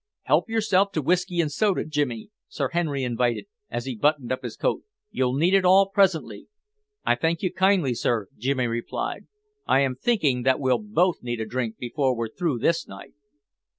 "Help yourself to whisky and soda, Jimmy," Sir Henry invited, as he buttoned up his coat. "You'll need it all presently." "I thank you kindly, sir," Jimmy replied. "I am thinking that we'll both need a drink before we're through this night."